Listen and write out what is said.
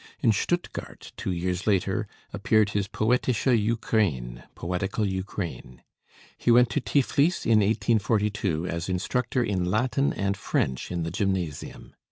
In Stuttgart, two years later, appeared his 'Poetische Ukraine' (Poetical Ukraine). He went to Tiflis in 1842 as instructor in Latin and French in the Gymnasium.